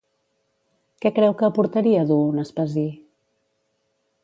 Què creu que aportaria dur un espasí?